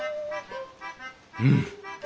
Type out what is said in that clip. うん。